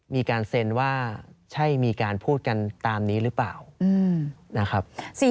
มีการเซ็นว่าใช่มีการพูดกันตามนี้หรือเปล่านะครับ